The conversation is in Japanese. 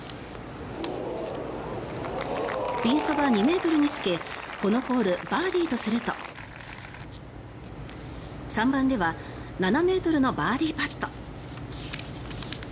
ピンそば２ｍにつけこのホール、バーディーとすると３番では７ｍのバーディーパット。